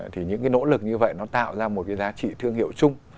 thì những cái nỗ lực như vậy nó tạo ra một cái giá trị thương hiệu chung